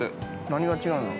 ◆何が違うの。